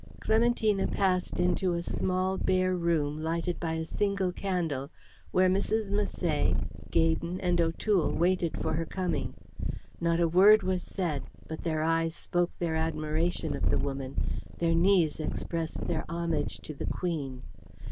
Clementina passed into a small bare room lighted by a single candle, where Mrs. Misset, Gaydon, and O'Toole waited for her coming. Not a word was said; but their eyes spoke their admiration of the woman, their knees expressed their homage to the Queen.